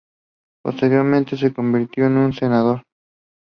Posteriormente se convirtió en un senador.